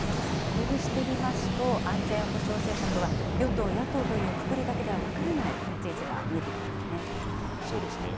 こうして見ますと、安全保障政策は、与党、野党というくくりだけでは分からない立ち位置が見えてきますね。